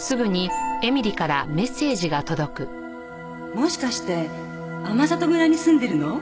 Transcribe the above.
「もしかして天郷村に住んでるの？」